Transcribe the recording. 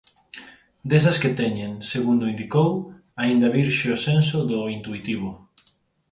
desas que teñen _segundo indicou_ aínda virxe o senso do intuitivo.